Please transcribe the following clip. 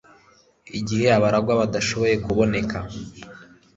igihe abaragwa badashoboye kuboneka